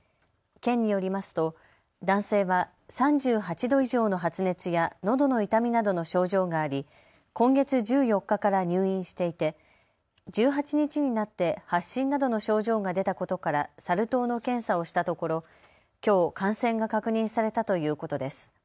県によりますと男性は３８度以上の発熱や、のどの痛みなどの症状があり今月１４日から入院していて１８日になって発疹などの症状が出たことからサル痘の検査をしたところきょう、感染が確認されたということです。